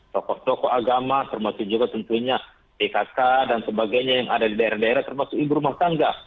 tokoh tokoh agama termasuk juga tentunya pkk dan sebagainya yang ada di daerah daerah termasuk ibu rumah tangga